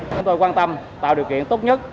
chúng tôi quan tâm tạo điều kiện tốt nhất